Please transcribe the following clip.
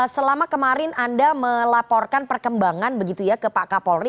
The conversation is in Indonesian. selama kemarin anda melaporkan perkembangan begitu ya ke pak kapolri